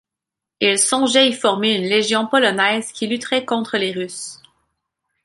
Il songeait y former une légion polonaise qui lutterait contre les Russes.